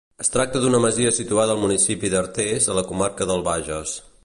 Es tracta d'una masia situada al municipi d'Artés a la comarca del Bages.